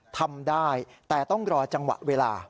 ทำได้แต่ต้องรอจังหวะเวลา